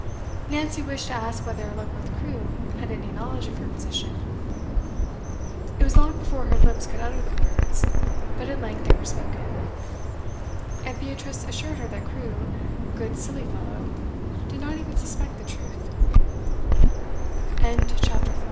Nancy wished to ask whether Luckworth Crewe had any knowledge of her position. It was long before her lips could utter the words, but at length they were spoken. And Beatrice assured her that Crewe, good silly fellow, did not even suspect the truth.